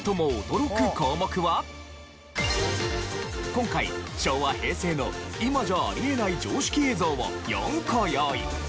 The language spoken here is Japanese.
今回昭和・平成の今じゃあり得ない常識映像を４個用意。